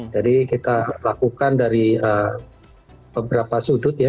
jadi kita lakukan dari beberapa sudut ya